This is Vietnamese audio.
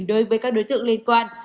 đối với các đối tượng liên quan